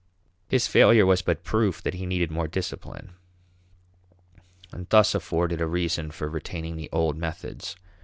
His failure was but proof that he needed more discipline, and thus afforded a reason for retaining the old methods.